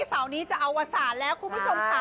เสาร์นี้จะอวสารแล้วคุณผู้ชมค่ะ